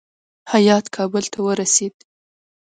هیات کابل ته ورسېد.